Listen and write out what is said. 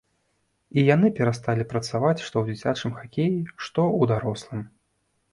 І яны перасталі працаваць што ў дзіцячым хакеі, што ў дарослым.